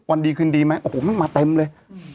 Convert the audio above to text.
วันดีคืนดีไหมโอ้โหมันมาเต็มเลย